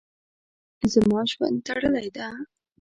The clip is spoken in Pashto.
زما ژوند تړلی ده.